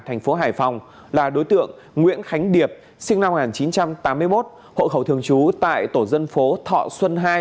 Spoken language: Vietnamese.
thành phố hải phòng là đối tượng nguyễn khánh điệp sinh năm một nghìn chín trăm tám mươi một hộ khẩu thường trú tại tổ dân phố thọ xuân hai